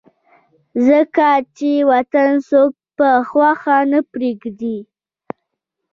ځکه چې وطن څوک پۀ خوښه نه پريږدي